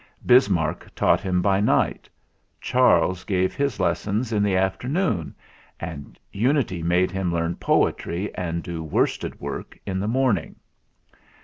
Bismarck taught him by night ; Charles gave his lessons in the after noon, and Unity made him learn poetry and do worsted work in the morning.